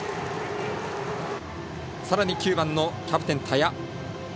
さらに９番のキャプテン田屋。